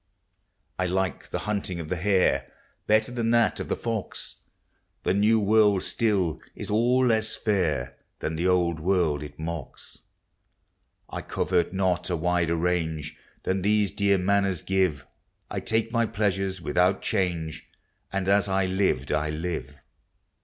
166 POEMS OF XATURE. I like the hunting of the hare Better than that of the fox ; The new world still is all less fair Than the old world it mocks. I covet not a wider range Than these dear manors give; I take my pleasures without change, And as I lived I live.